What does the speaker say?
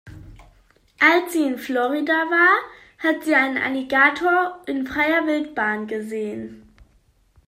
Als sie in Florida war, hat sie einen Alligator in freier Wildbahn gesehen.